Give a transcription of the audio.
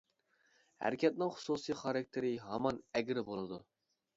ھەرىكەتنىڭ خۇسۇسى خاراكتېرى ھامان ئەگرى بولىدۇ.